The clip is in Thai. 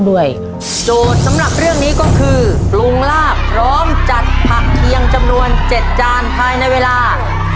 โจทย์สำหรับเรื่องนี้ก็คือปรุงลาบพร้อมจัดผักเคียงจำนวน๗จานภายในเวลา